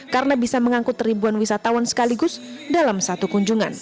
karena bisa mengangkut ribuan wisatawan sekaligus dalam satu kunjungan